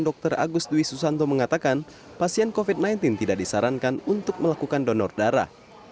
dr agus dwi susanto mengatakan pasien covid sembilan belas tidak disarankan untuk melakukan donor darah